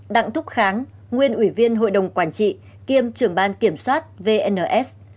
đặng thúc kháng nguyên ủy viên hội đồng quản trị kiêm trưởng ban kiểm soát vns